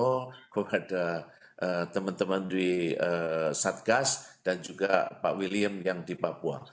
kepada teman teman di satgas dan juga pak william yang di papua